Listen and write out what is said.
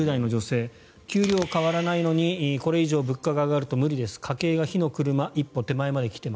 ５０代の女性給料は変わらないのにこれ以上物価が上がると無理です。